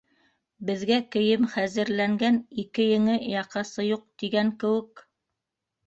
«Беҙгә кейем хәзерләнгән, ике еңе, яҡасы юҡ», тигән кеүек.